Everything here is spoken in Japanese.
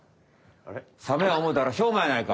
サメやおもたらしょうまやないか。